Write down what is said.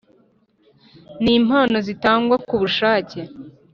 N impano zitangwa ku bushake